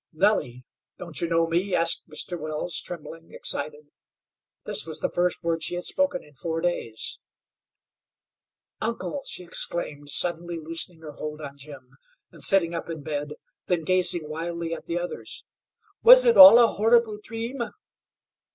"Nellie, don't you know me?" asked Mr. Wells, trembling, excited. This was the first word she had spoken in four days. "Uncle!" she exclaimed, suddenly loosening her hold on Jim, and sitting up in bed, then she gazed wildly at the others. "Was it all a horrible dream?"